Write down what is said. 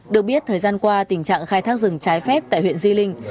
được biết thời gian qua tình trạng khai thác rừng trái phép tại huyện di linh